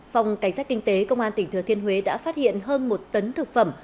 phòng cảnh sát kinh tế công an tỉnh thừa thiên huế đã phát hiện hơn một tấn thực phẩm